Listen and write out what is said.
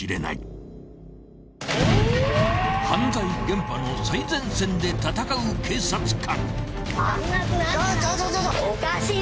［犯罪現場の最前線で闘う警察官］